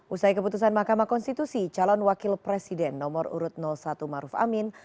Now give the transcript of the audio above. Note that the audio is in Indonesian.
usai keputusan mahkamah konstitusi calon wakil presiden nomor urut satu maruf amin